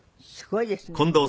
すごいですね。